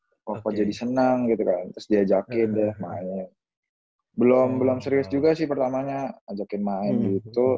kok jadi senang gitu kan terus diajakin deh main belum belum serius juga sih pertamanya ajakin main gitu